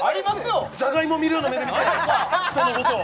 ジャガイモ見るような目で見て人のことを！